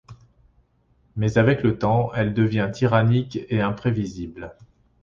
Mais avec le temps, elle devient tyrannique et imprévisible.